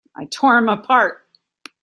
I tore him apart!